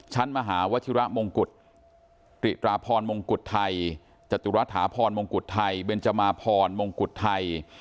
มหาวชิระมงกุฎติตราพรมงกุฎไทยจตุรฐาพรมงกุฎไทยเบนจมาพรมงกุฎไทย